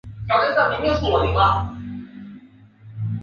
拟螺距翠雀花为毛茛科翠雀属下的一个种。